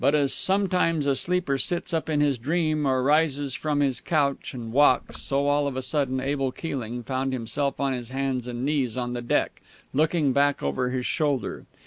But, as sometimes a sleeper sits up in his dream, or rises from his couch and walks, so all of a sudden Abel Keeling found himself on his hands and knees on the deck, looking back over his shoulder.